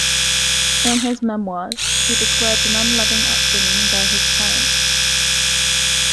In his memoirs, he described an unloving upbringing by his parents.